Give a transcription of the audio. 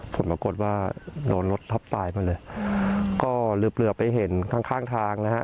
ผลปรากฏว่าโดนรถทับตายมาเลยก็เหลือเหลือไปเห็นข้างข้างทางนะฮะ